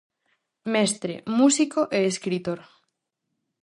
Mestre, músico e escritor.